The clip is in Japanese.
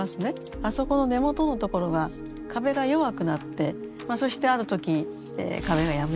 あそこの根元の所が壁が弱くなってそしてある時壁が破れると。